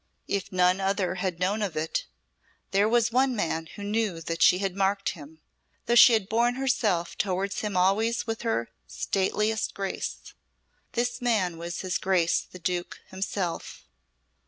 If none other had known of it, there was one man who knew that she had marked him, though she had borne herself towards him always with her stateliest grace. This man was his Grace the Duke himself.